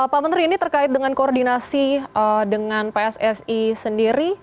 pak menteri ini terkait dengan koordinasi dengan pssi sendiri